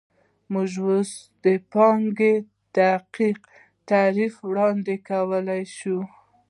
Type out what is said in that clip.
موږ اوس د پانګې دقیق تعریف وړاندې کولی شو